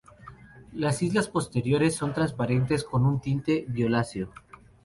Las alas posteriores son transparentes con un tinte violáceo.